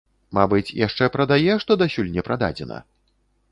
Мабыць, яшчэ прадае, што дасюль не прададзена?